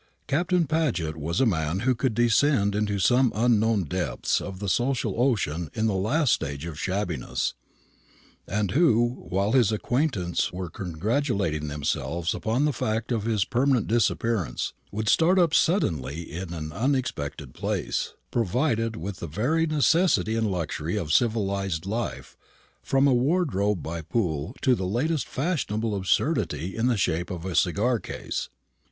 Captain Paget was a man who could descend into some unknown depths of the social ocean in the last stage of shabbiness, and who, while his acquaintance were congratulating themselves upon the fact of his permanent disappearance, would start up suddenly in an unexpected place, provided with every necessity and luxury of civilized life, from a wardrobe by Poole to the last fashionable absurdity in the shape of a cigar case.